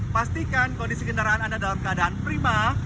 pastikan kondisi kendaraan anda dalam keadaan prima